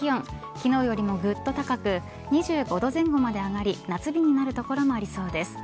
昨日よりもぐっと高く２５度前後まで上がり夏日になる所もありそうです。